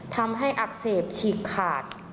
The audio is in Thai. ทำให้อักเสบฉีดขาด